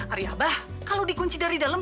ari abah kalau dikunci dari dalam